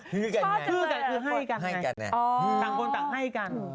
ฮือกันไงฮือกันคือให้กันไงต่างคนต่างให้กัน